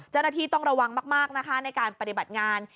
เจ้าหน้าที่ต้องระวังมากนะคะในการปฏิบัติงาน